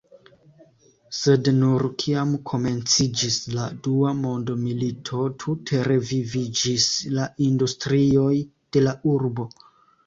Sed nur kiam komenciĝis la dua mondmilito tute reviviĝis la industrioj de la urbo.